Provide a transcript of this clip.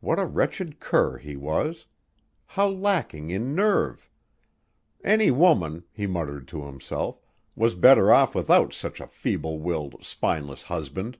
What a wretched cur he was! How lacking in nerve! Any woman, he muttered to himself, was better off without such a feeble willed, spineless husband!